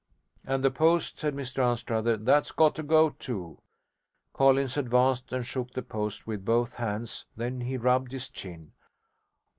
'And the post,' said Mr Anstruther, 'that's got to go too.' Collins advanced, and shook the post with both hands: then he rubbed his chin.